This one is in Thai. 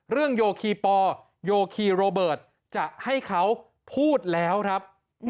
โยคีปอลโยคีโรเบิร์ตจะให้เขาพูดแล้วครับ